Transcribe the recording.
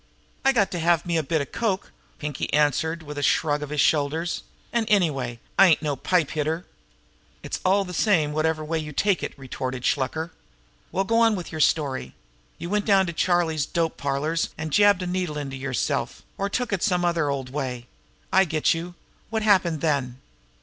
"I got to have me bit of coke," Pinkie answered, with a shrug of his shoulders. "An', anyway, I'm no pipe hitter. "It's all the same whatever way you take it!" retorted Shluker. "Well, go on with your story. You went down to Charlie's dope parlors, and jabbed a needle into yourself, or took it some other old way. I get you! What happened then?"